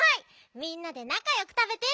みんなでなかよくたべてって。